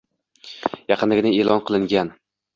yaqindagina e’lon qilingan